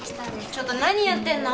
ちょっと何やってんの！？